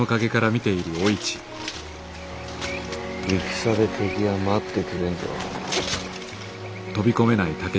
戦で敵は待ってくれんぞ。